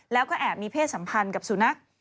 แล้วก็แอบมีเพศสัมพันธ์กับสุนัข